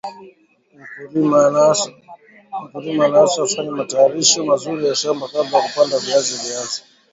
Mkulima anaaswa afanye matayarisho mazuri ya shamba kabla ya kupanda viazi viazi